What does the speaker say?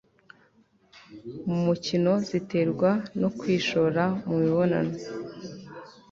mu mukino ziterwa no kwishora mu mibonano